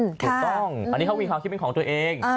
ถูกต้องอันนี้เขามีความคิดเป็นของตัวเอง